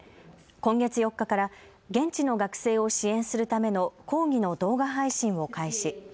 今月４日から現地の学生を支援するための講義の動画配信を開始。